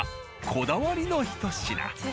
こだわりのひと品。